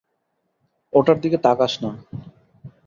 ওটার দিকে তাকাস না।